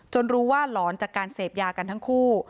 รู้ว่าหลอนจากการเสพยากันทั้งคู่